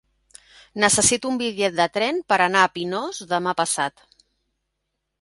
Necessito un bitllet de tren per anar a Pinós demà passat.